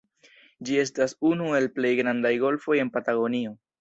Ĝi estas "unu el plej grandaj golfoj en Patagonio".